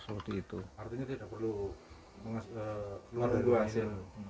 artinya tidak perlu keluar dari rumah